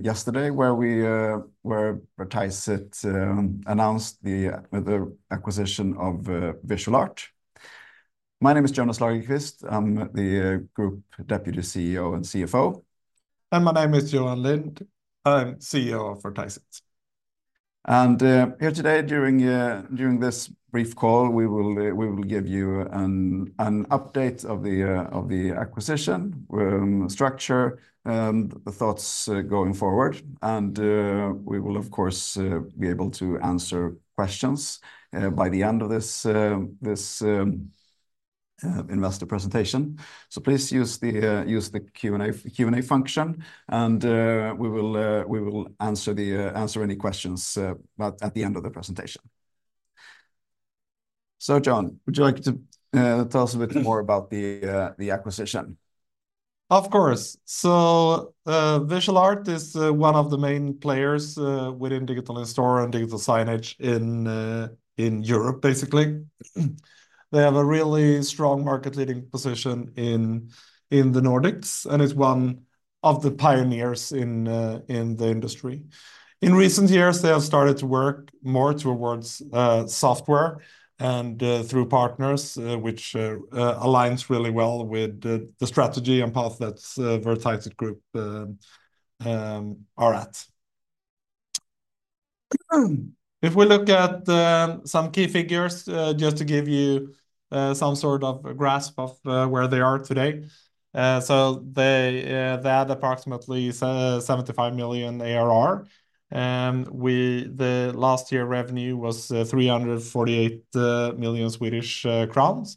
Yesterday, where Vertiseit announced the acquisition of Visual Art. My name is Jonas Lagerqvist. I'm the Group Deputy CEO and CFO. My name is Johan Lind. I'm CEO for Vertiseit. Here today, during this brief call, we will give you an update of the acquisition structure, the thoughts going forward. We will, of course, be able to answer questions by the end of this investor presentation. Please use the Q&A function, and we will answer any questions at the end of the presentation. Johan, would you like to tell us a bit more about the acquisition? Of course. So, Visual Art is one of the main players within digital in-store and digital signage in Europe, basically. They have a really strong market-leading position in the Nordics and is one of the pioneers in the industry. In recent years, they have started to work more towards software and through partners, which aligns really well with the strategy and path that Vertiseit Group are at. If we look at some key figures just to give you some sort of grasp of where they are today. So they had approximately 75 million ARR. The last year revenue was 348 million Swedish crowns.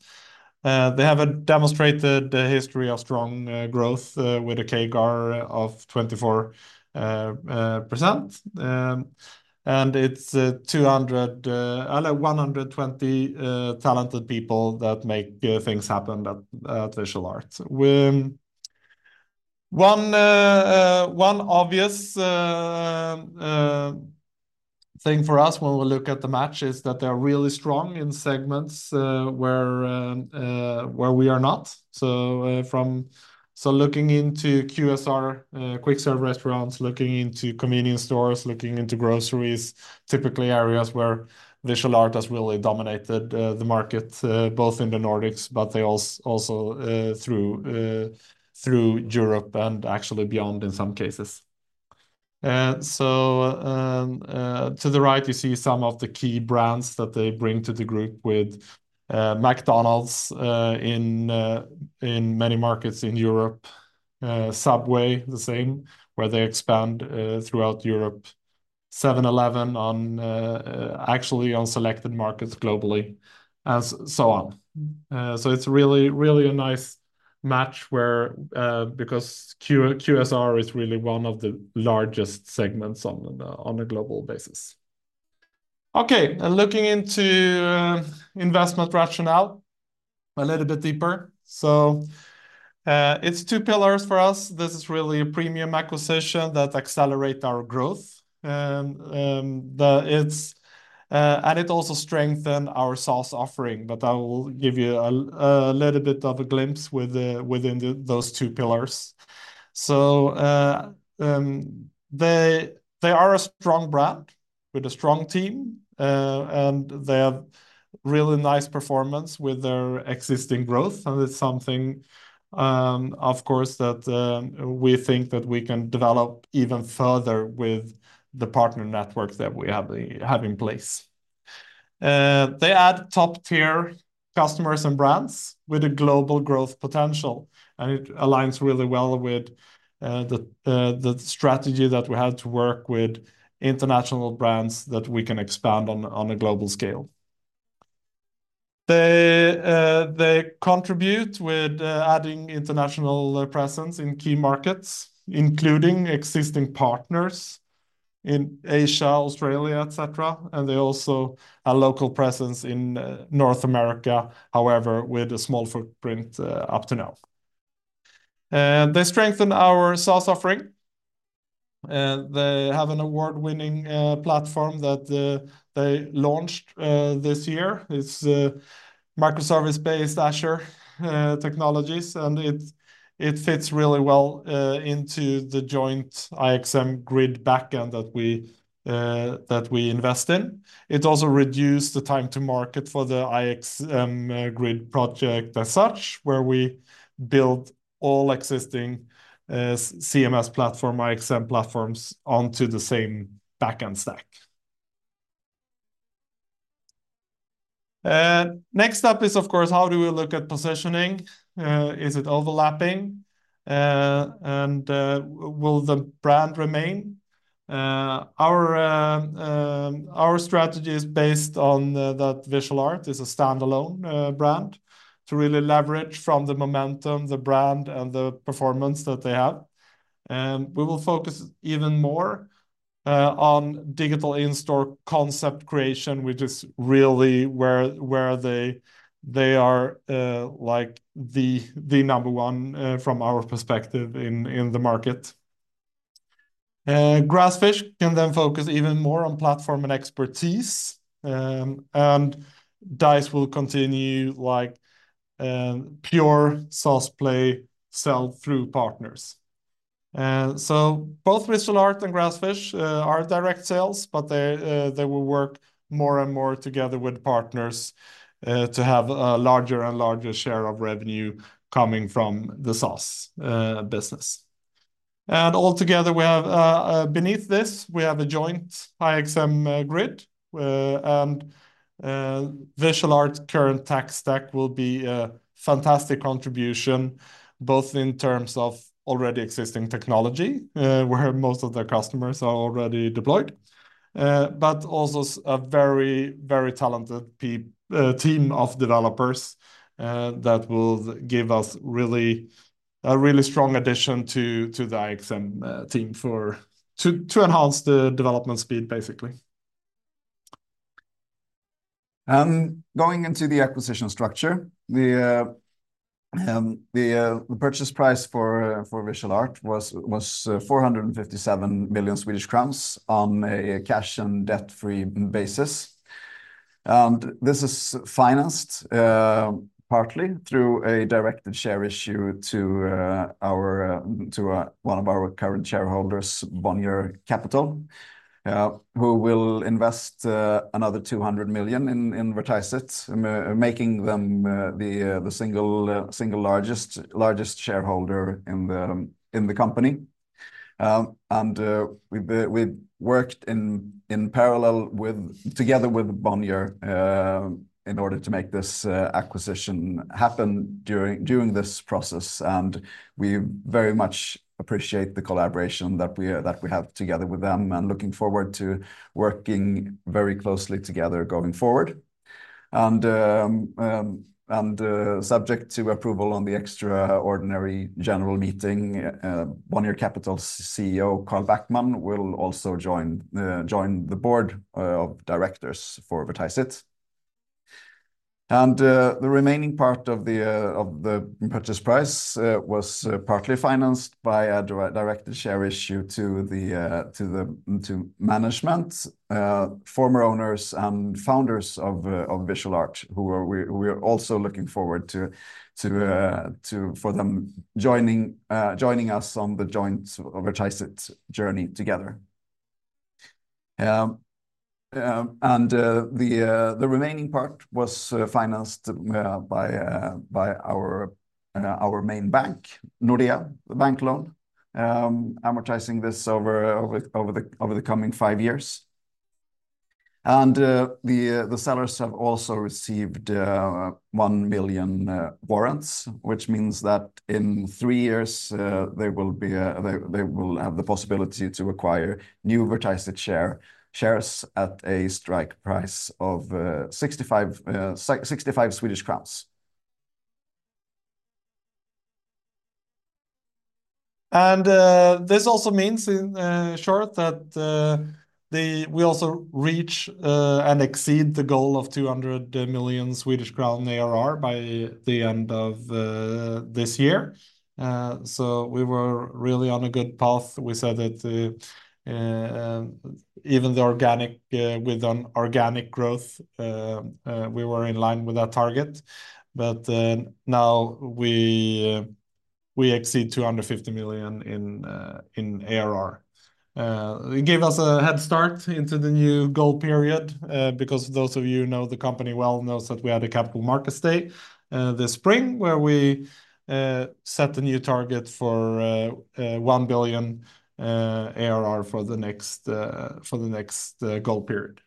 They have a demonstrated history of strong growth with a CAGR of 24%. And it's 120 talented people that make things happen at Visual Art. One obvious thing for us when we look at the match is that they're really strong in segments where we are not. So looking into QSR, quick service restaurants, looking into convenience stores, looking into groceries, typically areas where Visual Art has really dominated the market both in the Nordics, but they also through Europe and actually beyond in some cases. So, to the right, you see some of the key brands that they bring to the group with McDonald's in many markets in Europe, Subway, the same, where they expand throughout Europe, 7-Eleven on actually on selected markets globally, and so on. So it's really a nice match where because QSR is really one of the largest segments on a global basis. Okay, and looking into investment rationale a little bit deeper. So, it's two pillars for us. This is really a premium acquisition that accelerate our growth. It's, and it also strengthen our SaaS offering, but I will give you a little bit of a glimpse within those two pillars. They are a strong brand with a strong team, and they have really nice performance with their existing growth, and it's something, of course, that we think that we can develop even further with the partner network that we have in place. They add top-tier customers and brands with a global growth potential, and it aligns really well with the strategy that we have to work with international brands that we can expand on a global scale. They contribute with adding international presence in key markets, including existing partners in Asia, Australia, et cetera, and they also a local presence in North America. However, with a small footprint up to now. They strengthen our SaaS offering, and they have an award-winning platform that they launched this year. It's microservice-based Azure technologies, and it fits really well into the joint IXM Grid backend that we invest in. It also reduced the time to market for the IXM Grid project as such, where we build all existing CMS platform, IXM platforms, onto the same backend stack. Next up is, of course, how do we look at positioning? Is it overlapping? And will the brand remain? Our strategy is based on that Visual Art is a standalone brand to really leverage from the momentum, the brand, and the performance that they have. And we will focus even more on digital in-store concept creation, which is really where they are like the number one from our perspective in the market. Grassfish can then focus even more on platform and expertise, and Dise will continue like pure SaaS play sell through partners. So both Visual Art and Grassfish are direct sales, but they will work more and more together with partners to have a larger and larger share of revenue coming from the SaaS business. Altogether, we have beneath this a joint IXM Grid, and Visual Art's current tech stack will be a fantastic contribution, both in terms of already existing technology, where most of their customers are already deployed, but also a very, very talented team of developers that will give us really a really strong addition to the IXM team to enhance the development speed, basically. Going into the acquisition structure, the purchase price for Visual Art was 457 million Swedish crowns on a cash and debt-free basis. And this is financed partly through a directed share issue to one of our current shareholders, Bonnier Capital, who will invest another 200 million in Vertiseit, making them the single largest shareholder in the company. And we've worked in parallel together with Bonnier in order to make this acquisition happen during this process. And we very much appreciate the collaboration that we have together with them, and looking forward to working very closely together going forward. And, subject to approval on the Extraordinary General Meeting, Bonnier Capital's CEO, Carl Backman, will also join the Board of Directors for Vertiseit. And, the remaining part of the purchase price was partly financed by a directed share issue to the management, former owners and founders of Visual Art, who we are also looking forward to for them joining us on the joint Vertiseit journey together. And, the remaining part was financed by our main bank, Nordea, the bank loan, amortizing this over the coming five years. The sellers have also received one million warrants, which means that in three years they will have the possibility to acquire new Vertiseit shares at a strike price of 65 Swedish crowns. This also means in short that we also reach and exceed the goal of 200 million Swedish crown ARR by the end of this year. So we were really on a good path. We said that even the organic with an organic growth we were in line with our target, but now we exceed 250 million in ARR. It gave us a head start into the new goal period because those of you who know the company well knows that we had a Capital Market Day this spring, where we set a new target for 1 billion ARR for the next goal period.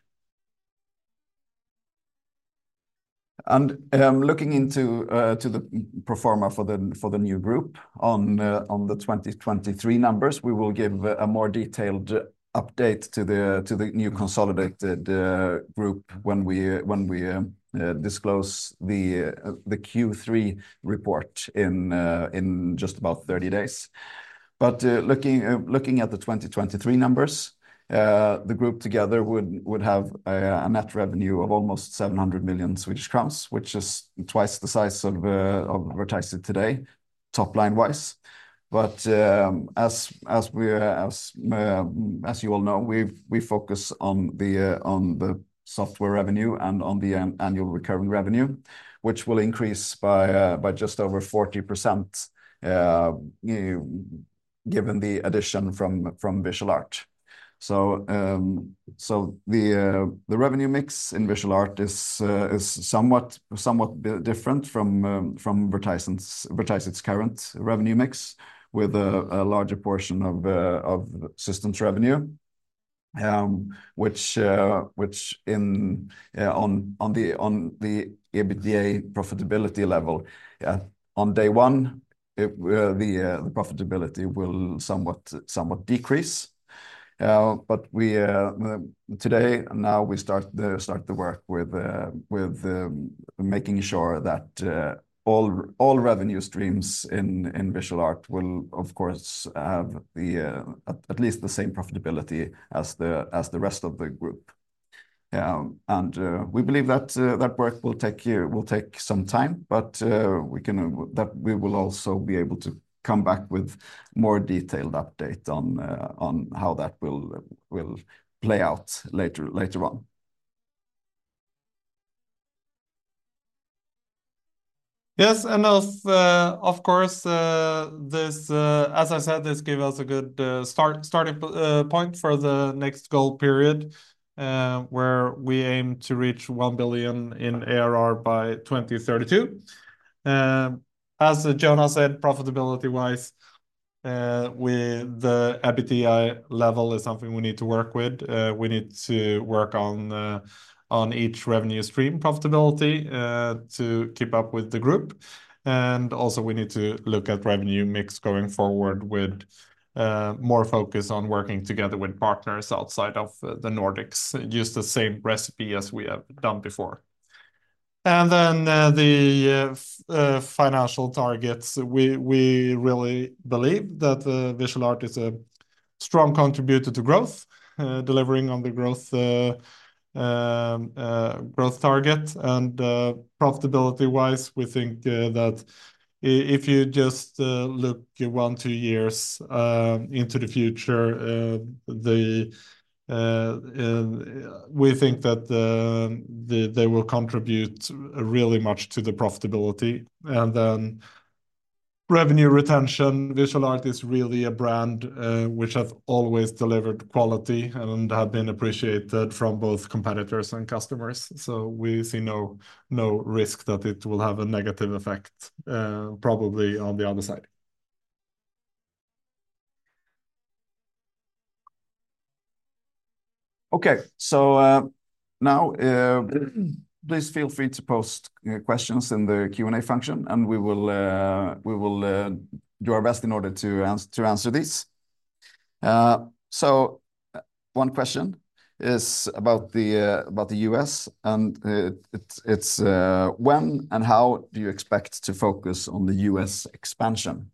Looking into the pro forma for the new group on the 2023 numbers, we will give a more detailed update to the new consolidated group when we disclose the Q3 report in just about 30 days. Looking at the 2023 numbers, the group together would have a net revenue of almost 700 million Swedish crowns, which is twice the size of Vertiseit today, top-line wise. As you all know, we focus on the software revenue and on the annual recurring revenue, which will increase by just over 40%, given the addition from Visual Art. So the revenue mix in Visual Art is somewhat different from Vertiseit's current revenue mix, with a larger portion of systems revenue, which on the EBITDA profitability level on day one the profitability will somewhat decrease. But we today now start the work with making sure that all revenue streams in Visual Art will of course have at least the same profitability as the rest of the group. And we believe that work will take year, will take some time, but we can... That we will also be able to come back with more detailed update on, on how that will play out later on. Yes, and of course, this, as I said, this gave us a good starting point for the next goal period, where we aim to reach one billion in ARR by 2032. As Jonas said, profitability-wise, with the EBITDA level is something we need to work with. We need to work on each revenue stream profitability to keep up with the group. And also we need to look at revenue mix going forward with more focus on working together with partners outside of the Nordics, use the same recipe as we have done before. And then, the financial targets, we really believe that Visual Art is a strong contributor to growth, delivering on the growth target. Profitability-wise, we think that if you just look one, two years into the future, they will contribute really much to the profitability. And then revenue retention, Visual Art is really a brand which have always delivered quality and have been appreciated from both competitors and customers. So we see no, no risk that it will have a negative effect, probably on the other side. Okay. So, now, please feel free to post questions in the Q&A function, and we will do our best in order to answer these. So, one question is about the US, and it's "When and how do you expect to focus on the US expansion?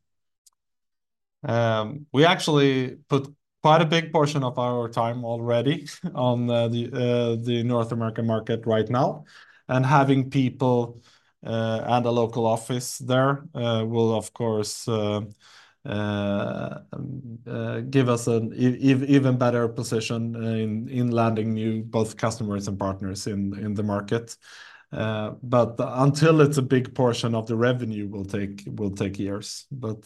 We actually put quite a big portion of our time already on the North American market right now. And having people and a local office there will of course give us an even better position in landing new both customers and partners in the market. But until it's a big portion of the revenue will take years. But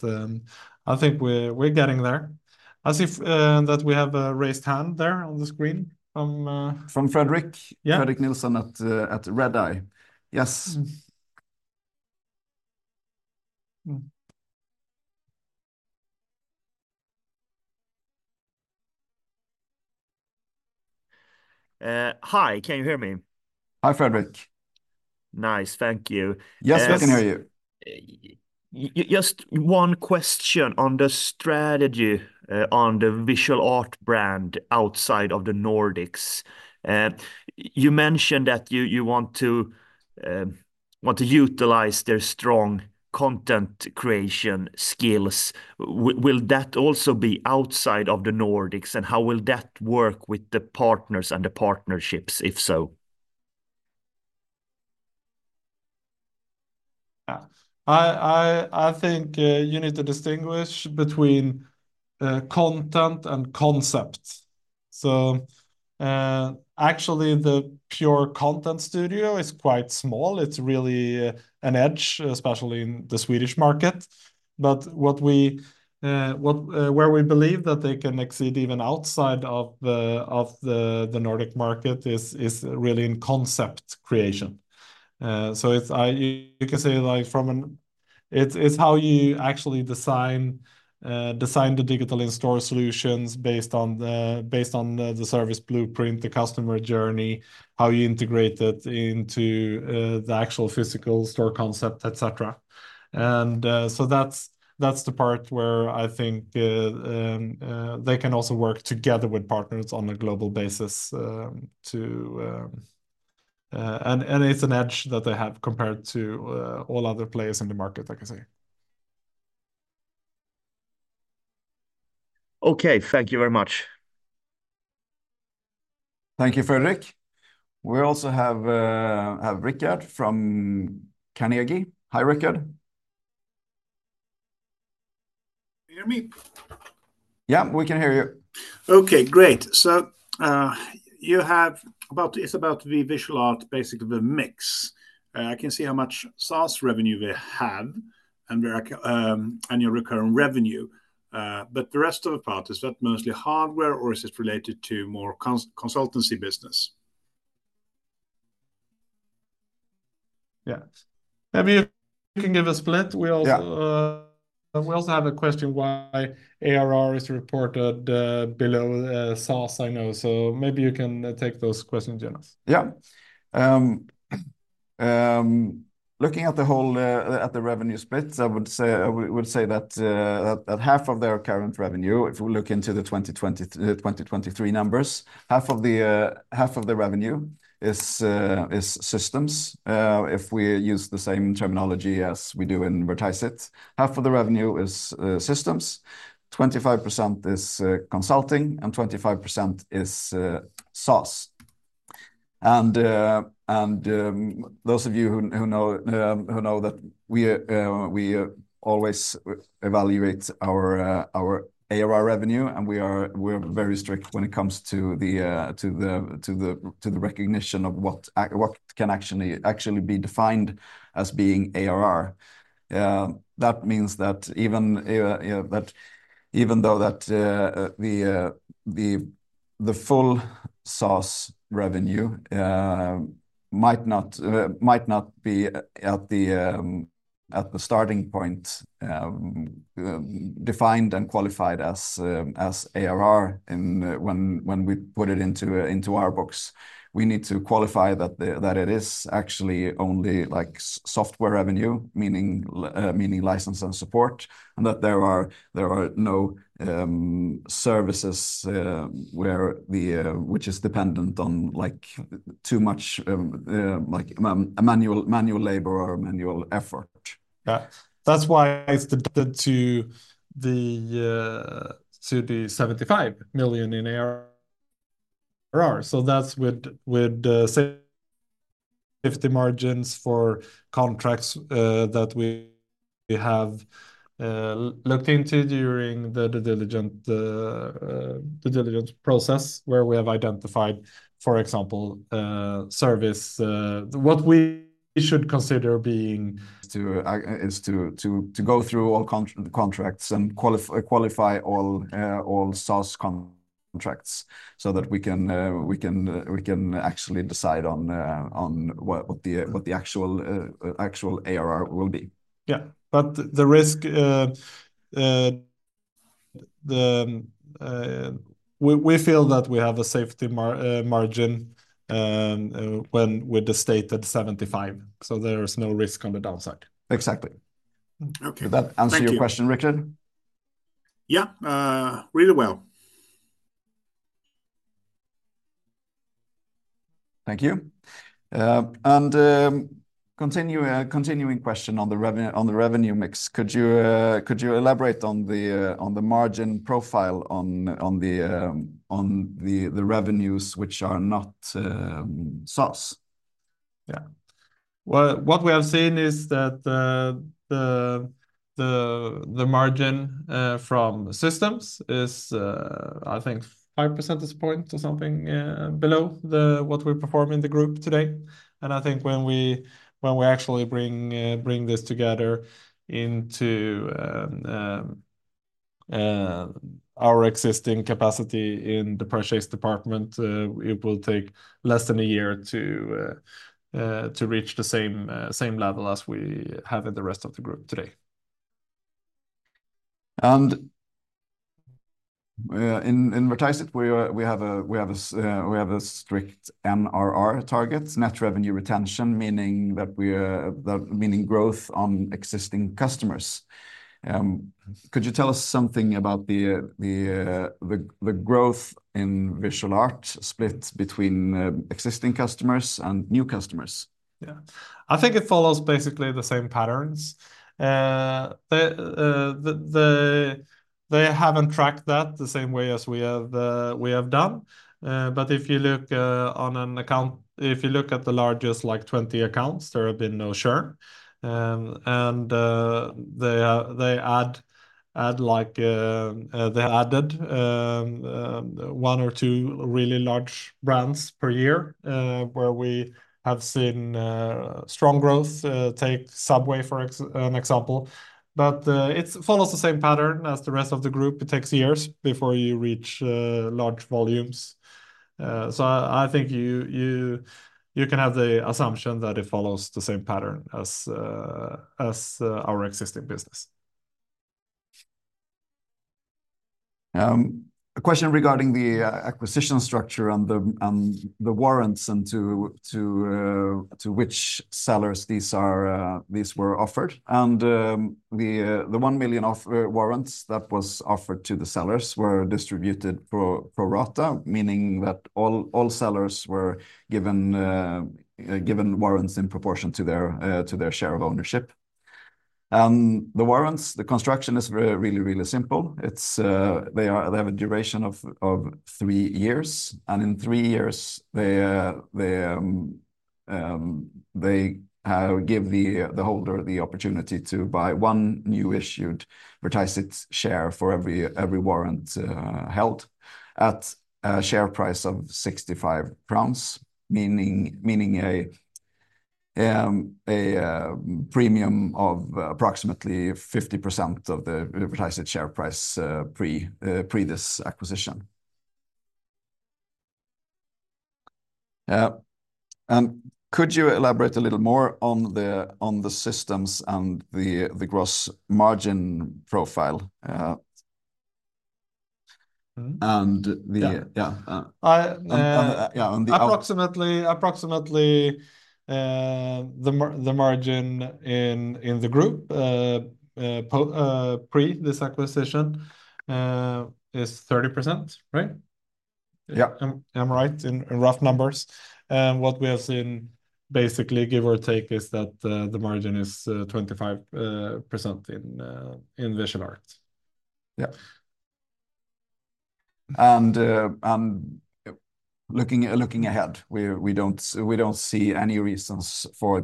I think we're getting there. I see that we have a raised hand there on the screen from - From Fredrik. Yeah. Fredrik Nilsson at Redeye. Yes. Hi, can you hear me? Hi, Fredrik. Nice. Thank you. Yes, we can hear you. Just one question on the strategy on the Visual Art brand outside of the Nordics. You mentioned that you want to utilize their strong content creation skills. Will that also be outside of the Nordics, and how will that work with the partners and the partnerships, if so? I think you need to distinguish between content and concept. So, actually, the pure content studio is quite small. It's really an edge, especially in the Swedish market. But where we believe that they can exceed even outside of the Nordic market is really in concept creation. So, you can say, like, from an- it's how you actually design the digital in-store solutions based on the service blueprint, the customer journey, how you integrate it into the actual physical store concept, et cetera. And, so that's the part where I think they can also work together with partners on a global basis, to... It's an edge that they have compared to all other players in the market, I can say. Okay. Thank you very much. Thank you, Fredrik. We also have Rickard from Carnegie. Hi, Rickard. Can you hear me? Yeah, we can hear you. Okay, great. So, it's about the Visual Art, basically the mix. I can see how much SaaS revenue they have, and where, and your recurring revenue. But the rest of the part, is that mostly hardware, or is it related to more consultancy business? Yeah. Maybe you can give a split. Yeah. We also have a question why ARR is reported below SaaS. I know, so maybe you can take those questions, Jonas. Yeah. Looking at the whole revenue split, I would say that half of their current revenue, if we look into the 2020 to the 2023 numbers, half of the revenue is systems. If we use the same terminology as we do in Vertiseit, half of the revenue is systems, 25% is consulting, and 25% is SaaS. Those of you who know that we always evaluate our ARR revenue, and we're very strict when it comes to the recognition of what can actually be defined as being ARR. That means that even though the full SaaS revenue might not be at the starting point defined and qualified as ARR when we put it into our books. We need to qualify that it is actually only like software revenue, meaning license and support, and that there are no services, which is dependent on like too much like a manual labor or manual effort. Yeah. That's why it's adapted to the seventy-five million in ARR. So that's with safety margins for contracts that we have looked into during the due diligence process, where we have identified, for example, service... What we should consider being- is to go through all contracts and qualify all SaaS contracts, so that we can actually decide on what the Yeah. What the actual ARR will be. Yeah, but the risk, the... We feel that we have a safety margin when with the state at seventy-five, so there is no risk on the downside. Exactly. Okay. Did that answer- Thank you. - your question, Rickard? Yeah, really well. Thank you. Continuing question on the revenue mix. Could you elaborate on the margin profile on the revenues which are not SaaS? Yeah. Well, what we have seen is that the margin from systems is, I think, five percentage points or something below what we perform in the group today. And I think when we actually bring this together into our existing capacity in the purchase department, it will take less than a year to reach the same level as we have in the rest of the group today. In Vertiseit, we have a strict NRR target, net revenue retention, meaning growth on existing customers. Could you tell us something about the growth in Visual Art split between existing customers and new customers? Yeah. I think it follows basically the same patterns. They haven't tracked that the same way as we have done. But if you look at the largest, like, 20 accounts, there have been no churn. And they add like one or two really large brands per year, where we have seen strong growth, take Subway, for example, but it follows the same pattern as the rest of the group. It takes years before you reach large volumes, so I think you can have the assumption that it follows the same pattern as our existing business. A question regarding the acquisition structure and the warrants and to which sellers these were offered. The one million offer warrants that was offered to the sellers were distributed pro rata, meaning that all sellers were given warrants in proportion to their share of ownership. The warrants, the construction is really simple. They have a duration of three years, and in three years, they give the holder the opportunity to buy one new issued Vertiseit share for every warrant held at a share price of SEK 65, meaning a premium of approximately 50% of the Vertiseit share price pre this acquisition. And could you elaborate a little more on the systems and the gross margin profile? Mm-hmm. And the- Yeah. Yeah, on the- Approximately, the margin in the group pre this acquisition is 30%, right? Yeah. I'm right in rough numbers? And what we have seen, basically, give or take, is that the margin is 25% in Visual Art. Yeah, and looking ahead, we don't see any reasons for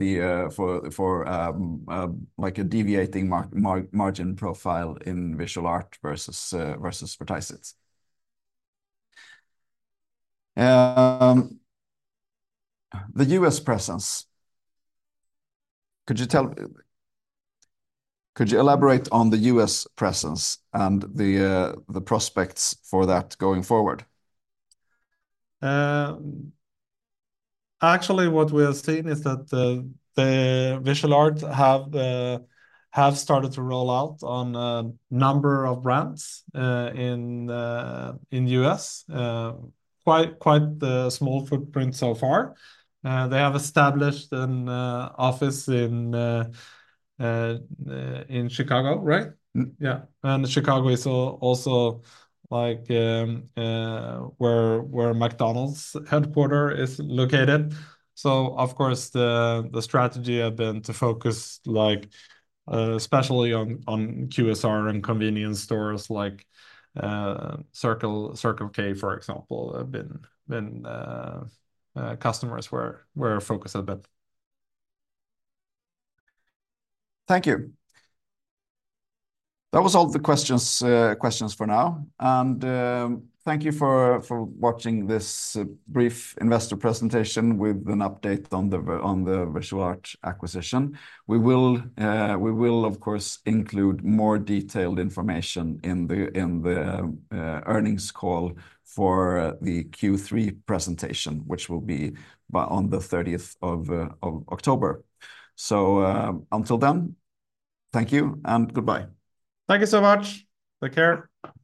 like a deviating margin profile in Visual Art versus Vertiseit. The U.S. presence. Could you elaborate on the U.S. presence and the prospects for that going forward? Actually, what we are seeing is that the Visual Art have started to roll out on a number of brands in the U.S. Quite the small footprint so far. They have established an office in Chicago, right? Mm. Yeah, and Chicago is also like where McDonald's headquarters is located. So of course, the strategy had been to focus like especially on QSR and convenience stores like Circle K, for example, have been customers where we're focused a bit. Thank you. That was all the questions for now. And thank you for watching this brief investor presentation with an update on the Visual Art acquisition. We will, of course, include more detailed information in the earnings call for the Q3 presentation, which will be on the 30th of October. So, until then, thank you and goodbye. Thank you so much. Take care.